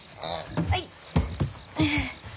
はい。